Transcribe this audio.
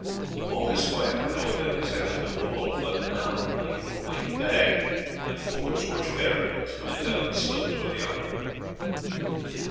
"All is quiet, my lord; but as I left the wall but now a knight with a white flag and four torch bearers was coming down the slope towards the outwork."